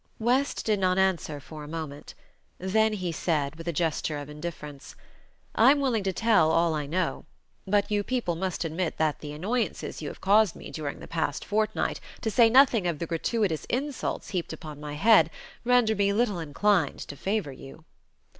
West did not answer for a moment. Then he said, with a gesture of indifference: "I am willing to tell all I know. But you people must admit that the annoyances you have caused me during the past fortnight, to say nothing of the gratuitous insults heaped upon my head, render me little inclined to favor you."